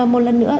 một lần nữa